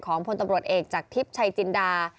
ของธรรมชาติจากทศิพจน์ชัยจินดา